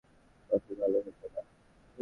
Coffee ভালো হয়েছে না?